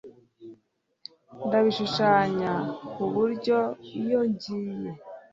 Ndabishushanya ku buryo iyo ngiye